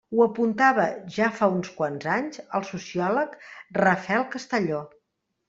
Ho apuntava, ja fa uns quants anys, el sociòleg Rafael Castelló.